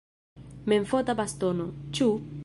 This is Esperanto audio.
Memfota bastono, ĉu?